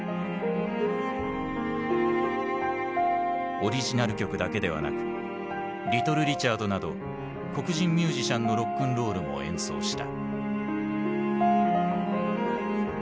オリジナル曲だけではなくリトル・リチャードなど黒人ミュージシャンのロックンロールも演奏した。